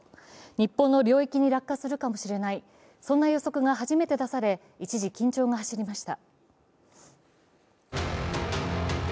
日本の領域に落下するかもしれない、そんな予測が初めて出され一時、緊張が走りました。